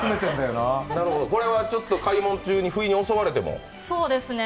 これはちょっと買い物中にふいに襲われても。